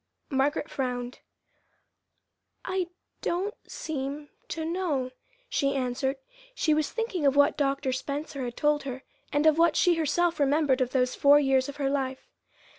Margaret frowned. "I don't seem to know," she answered. She was thinking of what Dr. Spencer had told her, and of what she herself remembered of those four years of her life.